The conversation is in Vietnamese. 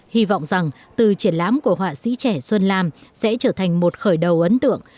hy vọng rằng từ triển lãm của họa sĩ trẻ xuân lam sẽ trở thành một khởi đầu ấn tượng